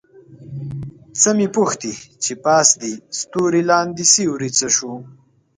څه مې پوښتې چې پاس دې ستوری لاندې سیوری څه شو؟